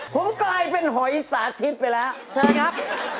ผมกลายเป็นหอยสาธิตไปแล้วเชิญครับ